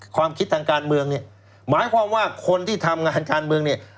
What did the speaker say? ความคิดทางการเมืองเนี่ยหมายความว่าคนที่ทำงานการเมืองเนี่ย